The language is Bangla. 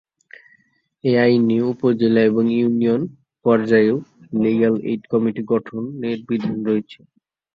এ আইনে উপজেলা এবং ইউনিয়ন পর্যায়েও লিগ্যাল এইড কমিটি গঠনের বিধান রয়েছে।